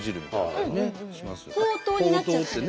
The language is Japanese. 「ほうとう」になっちゃって。